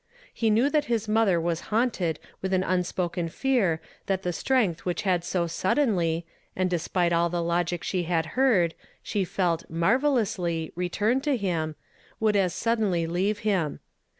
He knew that his mother was haunted with an unspoken fear that the strength which had so suddenly, and despite all the logic she had heard, she felt, marvellously, returned to him, would as suddenly leave him.